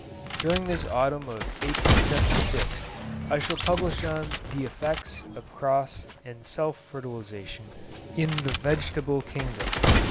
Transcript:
During this autumn of 1876 I shall publish on the 'Effects of Cross and Self Fertilisation in the Vegetable Kingdom.